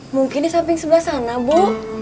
mungkin di samping sebelah sana bu